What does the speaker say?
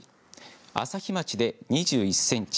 朝日町で２１センチ